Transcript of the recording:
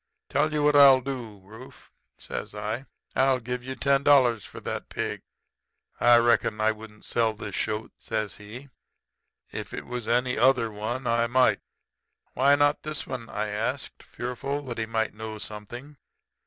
Tell you what I'll do, Rufe,' I says. 'I'll give you ten dollars for that pig.' "'I reckon I wouldn't sell this shoat,' says he. 'If it was any other one I might.' "'Why not this one?' I asked, fearful that he might know something.